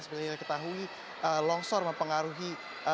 sebenarnya kita tahu longsor mempengaruhi